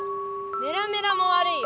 メラメラもわるいよ。